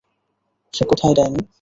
সে কোথায়, ডাইনি?